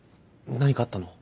何かあったの？